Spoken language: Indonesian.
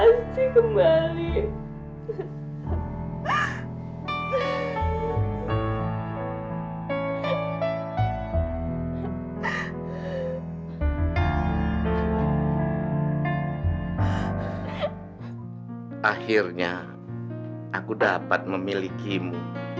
aku banyak banyak salah pak ibu